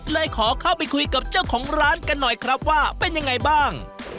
เลยขอเข้าไปคุยกับเจ้าของร้านกันหน่อยครับว่าเป็นยังไงบ้าง